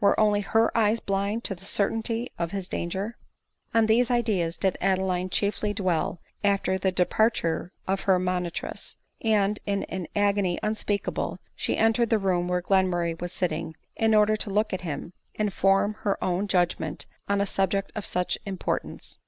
Were only her eyes blind to the certainty of his danger ? On these ideas did Adeline chiefly dwell after the de parture of her moriitress ; and in an agony unspeakable she entered the room where Glenmurray was sitting, in order to look at him, and form her own judgment on a subject of such importance.